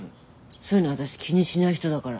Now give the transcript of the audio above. そういうの私気にしない人だから。